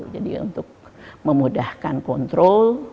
jadi untuk memudahkan kontrol